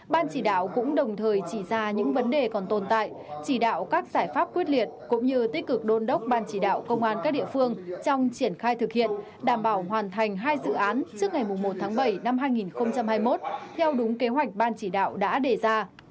ban chỉ đạo cũng đồng thời chỉ ra những vấn đề còn tồn tại chỉ đạo các giải pháp quyết liệt cũng như tích cực đôn đốc ban chỉ đạo công an các địa phương trong triển khai thực hiện đảm bảo hoàn thành hai dự án trước ngày một tháng bảy năm hai nghìn hai mươi một theo đúng kế hoạch ban chỉ đạo đã đề ra